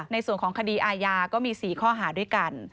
ในส่วนของคดีอาญาก็มี๔ข้อหาด้วยกัน